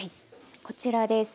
こちらです。